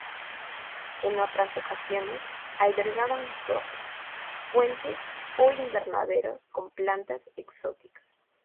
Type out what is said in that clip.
En otras ocasiones albergaban torres, fuentes o invernaderos con plantas exóticas.